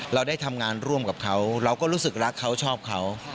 เราได้ทำงานร่วมกับเขาเราก็รู้สึกรักเขาชอบเขา